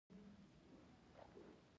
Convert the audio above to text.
قلم د کتابونو مور دی